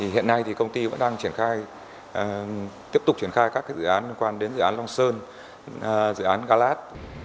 hiện nay thì công ty vẫn đang triển khai tiếp tục triển khai các dự án liên quan đến dự án long sơn dự án galat